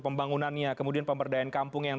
pembangunannya kemudian pemberdayaan kampung yang